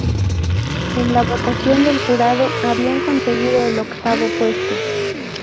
En la votación del jurado habían conseguido el octavo puesto.